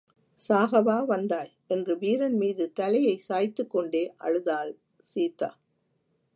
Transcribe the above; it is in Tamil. சாகவா வந்தாய்? என்று வீரன்மீது தலையைச் சாய்த்துக் கொண்டே அழுதாள் சீதா.